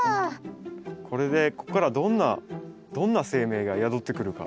これでこっからどんな生命が宿ってくるか。